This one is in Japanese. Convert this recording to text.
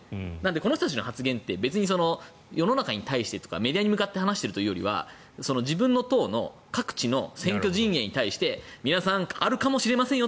この人たちの発言って世の中に対してというかメディアに向かって話しているというよりは自分の党の各地の選挙陣営に対して皆さん、あるかもしれませんよ